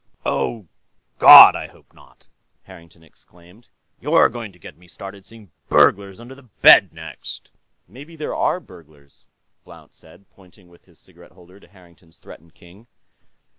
"Oh, God, I hope not!" Harrington exclaimed. "You're going to get me started seeing burglars under the bed, next...." "Maybe there are burglars," Blount said, pointing with his cigarette holder to Harrington's threatened king.